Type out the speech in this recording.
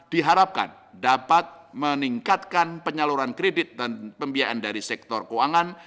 diharapkan dapat meningkatkan penyaluran kredit dan pembiayaan dari sektor keuangan